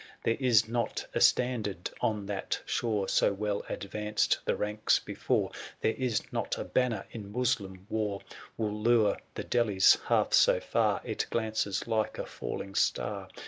There is not a standard on that shore So well advanced the ranks before ; There is not a banner in Moslem war Will lure the Delhis half so far ; 790 It glances like a falling star